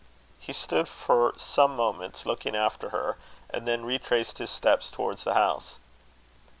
He stood for some moments looking after her, and then retraced his steps towards the house.